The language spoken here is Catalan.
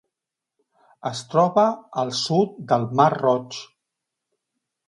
Es troba al sud del mar Roig.